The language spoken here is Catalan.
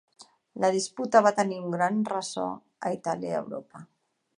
La disputa va tenir un gran ressò a Itàlia i Europa.